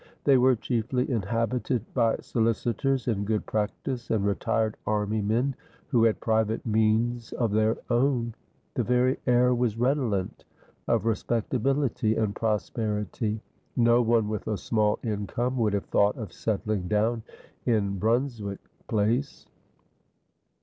They were chiefly inhabited by solicitors in good practice, and retired army men who had private means of their own. The very air was redolent of respectability and prosperity. No one with a small income would have thought of settling down in Brunswick Place.